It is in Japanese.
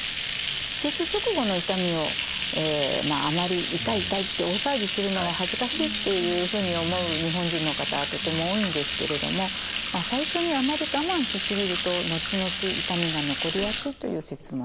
手術直後の痛みをあまり痛い痛いって大騒ぎするのは恥ずかしいっていうふうに思う日本人の方はとても多いんですけれども最初にあまり我慢しすぎると後々痛みが残りやすいという説もあるんですね。